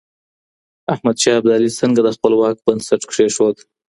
احمد شاه ابدالي څنګه د خپل واک بنسټ کېښود؟